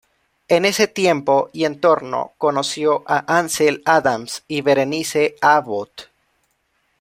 En ese tiempo y entorno conoció a Ansel Adams y Berenice Abbott.